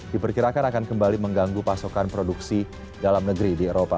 diperkirakan akan kembali mengganggu pasokan produksi dalam negeri ini